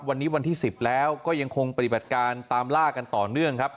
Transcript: วันนี้วันที่๑๐แล้วก็ยังคงปฏิบัติการตามล่ากันต่อเนื่องครับ